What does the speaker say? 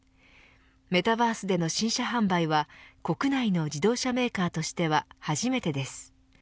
メタバースでの新車販売は国内の自動車メーカーとしては初めてです。